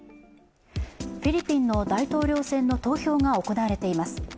フィリピンの大統領選の投票が行われています。